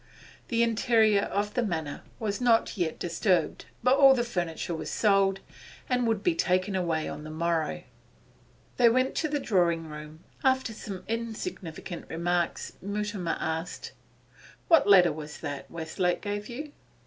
The interior of the Manor was not yet disturbed, but all the furniture was sold, and would be taken away on the morrow. They went to the drawing room. After some insignificant remarks Mutimer asked: 'What letter was that Westlake gave you?